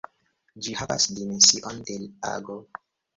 Ĝi havas dimension de ago.